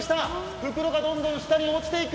袋がどんどん下に落ちていく。